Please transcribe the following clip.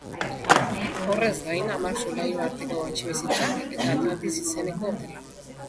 Horrez gain, hamar solairu arteko etxebizitzak eta Atlantis izeneko hotela.